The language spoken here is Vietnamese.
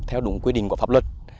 theo đúng quy định của pháp luật